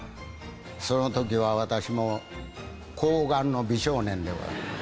その時は私も紅顔の美少年でございます。